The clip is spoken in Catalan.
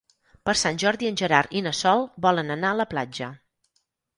Per Sant Jordi en Gerard i na Sol volen anar a la platja.